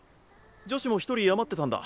女子も１人余ってたんだ。